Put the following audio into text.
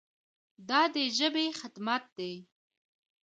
دا د ژبې خدمت دی.